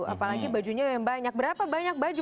apalagi bajunya yang banyak berapa banyak baju